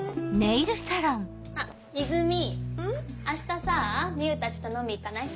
イズミ明日さ美結たちと飲み行かない？